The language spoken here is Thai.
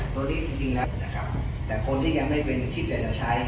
ตัวนี้จริงแล้วนะครับแต่คนที่ยังไม่เป็นคิดแต่จะใช้